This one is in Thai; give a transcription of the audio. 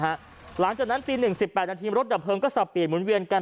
หลังจากนั้นตี๑๘นาทีรถดับเพลิงก็สับเปลี่ยนหมุนเวียนกัน